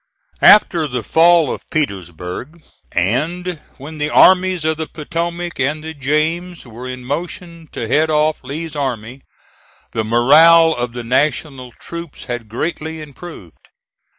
After the fall of Petersburg, and when the armies of the Potomac and the James were in motion to head off Lee's army, the morale of the National troops had greatly improved.